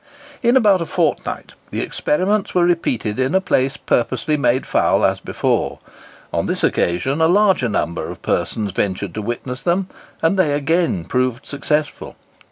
In about a fortnight the experiments were repeated, in a place purposely made foul as before; on this occasion a larger number of persons ventured to witness them, and they again proved successful.